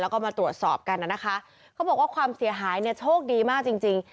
แล้วก็มาตรวจสอบกันน่ะนะคะเขาบอกว่าความเสียหายเนี่ยโชคดีมากจริงจริง